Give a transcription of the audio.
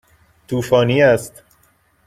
طوفانی است.